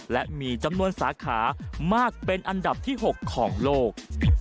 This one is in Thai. และมีจำนวนสาขามากเป็นอันดับที่๖ของโลก